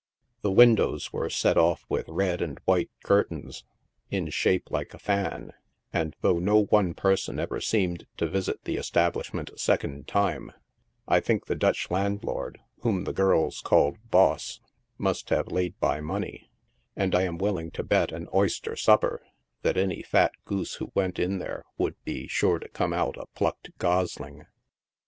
The windows were set off with red and white curtains, in shape like a fan, and though no one person ever seemed to visit the establish ment a second time, I think the Dutch landlord, whom the girls called " Boss," must have laid by money, and I am willing to bet an oyster supper that any fat goose who went in there would be sure to come out a plucked gosling.